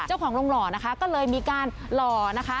เจ้าของโรงหล่อนะคะก็เลยมีการหล่อนะคะ